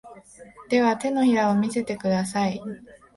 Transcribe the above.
では、手のひらを見せてください。